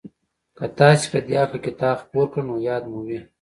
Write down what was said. که تاسې په دې هکله کتاب خپور کړ نو ياد مو وي.